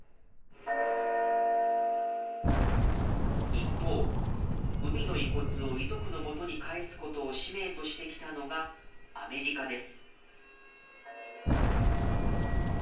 一方、海の遺骨を遺族のもとに返すことを使命としてきたのが、アメリカです。